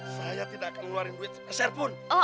saya tidak akan ngeluarin duit sebesar pun